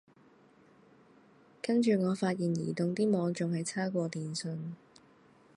跟住我發現移動啲網仲係差過電信